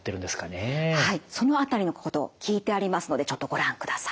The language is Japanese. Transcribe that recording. はいその辺りのこと聞いてありますのでちょっとご覧ください。